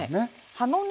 葉のね